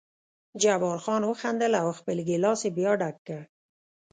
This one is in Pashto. جبار خان وخندل او خپل ګیلاس یې بیا ډک کړ.